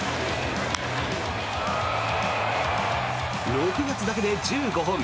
６月だけで１５本。